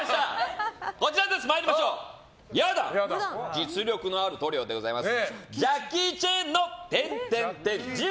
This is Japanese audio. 実力のあるトリオでございます。